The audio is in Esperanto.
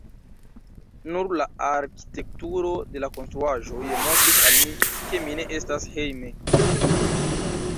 Nur la arkitekturo de la konstruaĵoj montris al mi, ke mi ne estas hejme.